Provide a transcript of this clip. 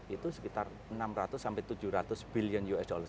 itu sekitar enam ratus sampai tujuh ratus billion usd